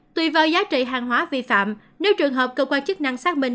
tùy vào giá trị hàng hóa vi phạm nếu trường hợp cơ quan chức năng xác minh